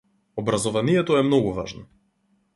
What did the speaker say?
Образованието е многу важно.